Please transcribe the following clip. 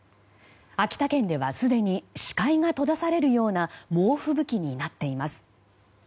秋田県では、すでに視界が閉ざされるような猛吹雪になっています。